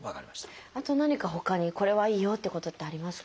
あと何かほかにこれはいいよってことってありますか？